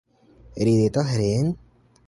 Ridetas reen?